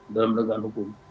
dalam negara hukum